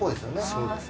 そうです。